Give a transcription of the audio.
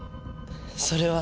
それは。